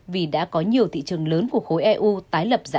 vì đã có nhiều thị trường